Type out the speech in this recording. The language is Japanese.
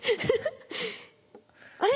あれ？